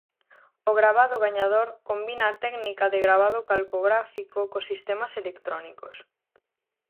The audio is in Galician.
O gravado gañador combina a técnica de gravado calcográfico cos sistemas electrónicos.